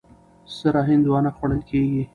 سره هندوانه خوړل کېږي.